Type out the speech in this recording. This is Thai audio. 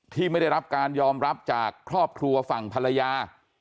ไม่ได้รับการยอมรับจากครอบครัวฝั่งภรรยา